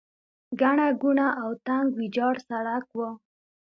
ګڼه ګوڼه او تنګ ویجاړ سړک و.